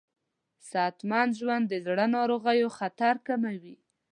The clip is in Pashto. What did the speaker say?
صحتمند ژوند د زړه ناروغیو خطر کموي.